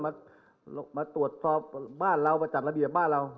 มาตรวจสอบบ้านเรามาจัดระเบียบบ้านเรา